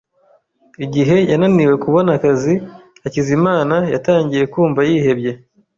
Igihe yananiwe kubona akazi, Hakizimana yatangiye kumva yihebye.